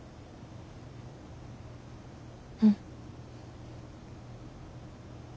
うん。